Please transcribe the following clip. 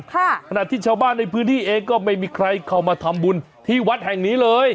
ขณะที่ชาวบ้านในพื้นที่เองก็ไม่มีใครเข้ามาทำบุญที่วัดแห่งนี้เลย